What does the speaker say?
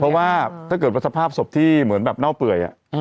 เพราะว่าถ้าเกิดว่าสภาพศพที่เหมือนแบบเน่าเปื่อย